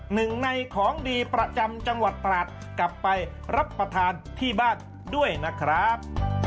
หนึ่งในของดีประจำจังหวัดตราดกลับไปรับประทานที่บ้านด้วยนะครับ